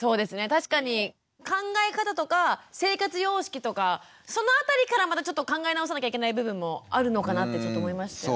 確かに考え方とか生活様式とかその辺りからまたちょっと考え直さなきゃいけない部分もあるのかなってちょっと思いましたよね。